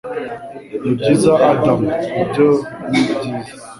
Nibyiza, Adam, ibyo nibyiza.